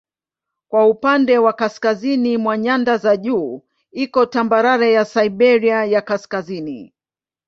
Kwa upande wa kaskazini mwa nyanda za juu iko tambarare ya Siberia ya Kaskazini.